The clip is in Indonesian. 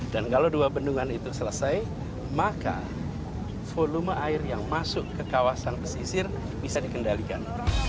dan kalau dua bendungan itu selesai maka volume air yang masuk ke kawasan pesisir bisa dikendalikan